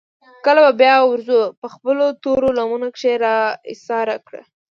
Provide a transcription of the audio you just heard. کله به بيا وريځو پۀ خپلو تورو لمنو کښې را ايساره کړه ـ